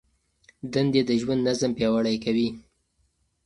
دندې د ژوند نظم پیاوړی کوي.